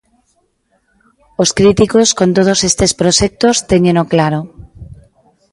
Os críticos con todos estes proxectos téñeno claro.